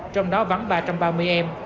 trong đó vắng ba trăm ba mươi em